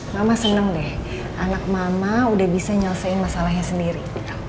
mama senang deh anak mama udah bisa nyelesaikan masalahnya sendiri